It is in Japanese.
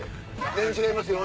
全然違いますよ」